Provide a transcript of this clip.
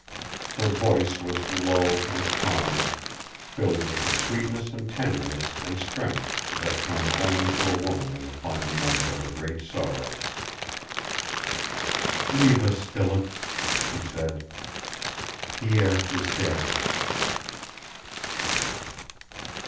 Her voice was low and calm, filled with the sweetness and tenderness and strength that come only to a woman in the final moment of a great sorrow. "Leave us, Philip," she said. "Pierre is dead."